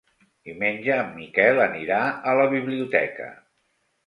Diumenge en Miquel anirà a la biblioteca.